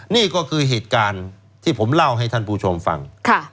นี่ก็คือเหตุการณ์ที่ผมเล่าให้ท่านผู้ชมฟัง